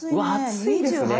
暑いですね。